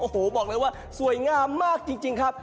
โอ้โหบอกเลยว่าสวยงามมากจริงครับ